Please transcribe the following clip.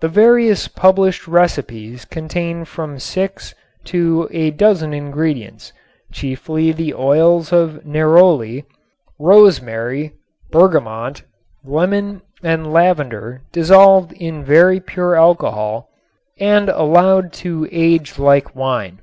The various published recipes contain from six to a dozen ingredients, chiefly the oils of neroli, rosemary, bergamot, lemon and lavender dissolved in very pure alcohol and allowed to age like wine.